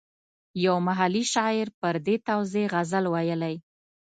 یو محلي شاعر پر دې توزېع غزل ویلی.